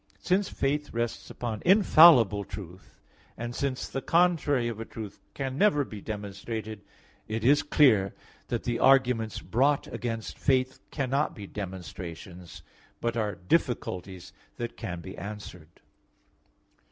Since faith rests upon infallible truth, and since the contrary of a truth can never be demonstrated, it is clear that the arguments brought against faith cannot be demonstrations, but are difficulties that can be answered.